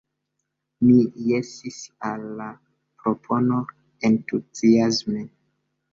Mi jesis al la propono entuziasme.